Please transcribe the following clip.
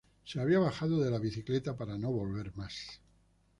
Se había bajado de la bicicleta para no volver más.